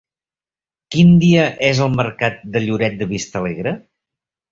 Quin dia és el mercat de Lloret de Vistalegre?